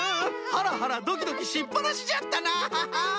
ハラハラドキドキしっぱなしじゃったな！